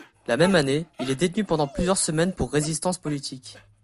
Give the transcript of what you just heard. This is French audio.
La même année, il est détenu pendant plusieurs semaines pour résistance politique.